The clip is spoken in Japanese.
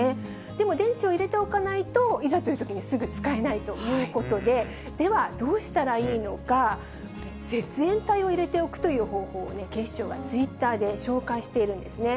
でも電池を入れておかないといざというときに、すぐ使えないということで、ではどうしたらいいのか、絶縁体を入れておくという方法をね、警視庁がツイッターで紹介しているんですね。